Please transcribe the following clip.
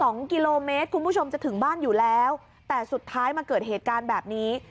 สองกิโลเมตรคุณผู้ชมจะถึงบ้านอยู่แล้วแต่สุดท้ายมาเกิดเหตุการณ์แบบนี้